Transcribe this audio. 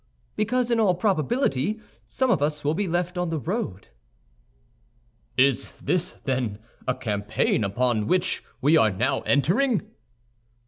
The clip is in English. "Because, in all probability, some one of us will be left on the road." "Is this, then, a campaign upon which we are now entering?"